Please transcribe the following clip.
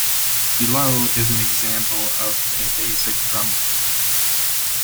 Below is an example of a basic drum kit.